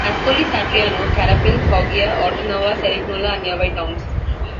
Ascoli Satriano, Carapelle, Foggia, Orta Nova, Cerignola are nearby towns.